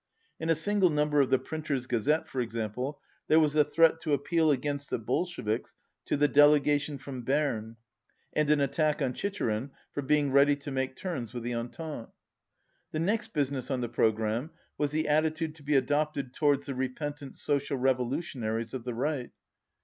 In a single number of the Printers' Gazette, for example, there was a threat to appeal against the Bolsheviks to the delegation from Berne and an attack on Chicherin for being ready to make terms with the Entente. The next business on the programme was the attitude to be adopted towards the repentant So cial Revolutionaries of the Right.